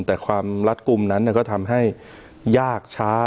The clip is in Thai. แต่ความรัดกลุ่มนั้นก็ทำให้ยากช้า